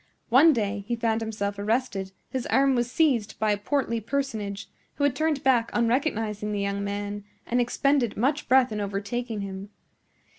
One day he found himself arrested; his arm was seized by a portly personage, who had turned back on recognizing the young man and expended much breath in overtaking him.